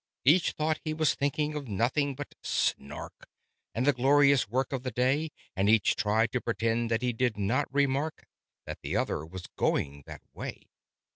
Each thought he was thinking of nothing but "Snark" And the glorious work of the day; And each tried to pretend that he did not remark That the other was going that way.